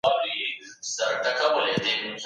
کوم تمرینونه د ذهن د روښانتیا لامل کېږي؟